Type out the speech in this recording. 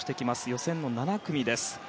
予選７組です。